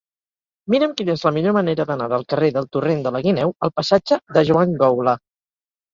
Mira'm quina és la millor manera d'anar del carrer del Torrent de la Guineu al passatge de Joan Goula.